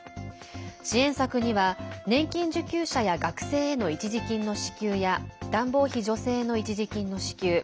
支援策には年金受給者や学生への一時金の支給や暖房費助成の一時金の支給